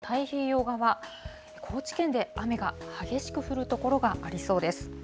九州ですとか、四国の太平洋側、高知県で雨が激しく降る所がありそうです。